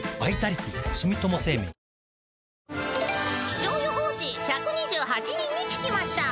［気象予報士１２８人に聞きました］